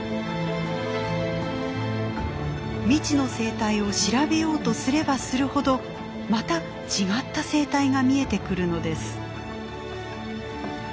未知の生態を調べようとすればするほどまた違った生態が見えてくるのです。